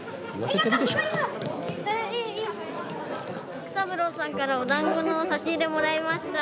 育三郎さんからおだんごの差し入れもらいました。